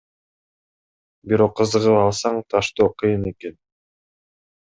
Бирок кызыгып алсаң таштоо кыйын экен.